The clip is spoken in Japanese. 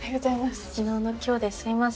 昨日の今日ですいません。